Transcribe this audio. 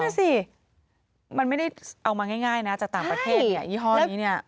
นั่นสิมันไม่ได้เอามาง่ายนะจากต่างประเทศเนี่ยยี่ห้อนี้เนี่ย